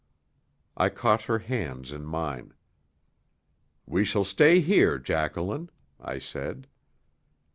I caught her hands in mine. "We shall stay here, Jacqueline," I said.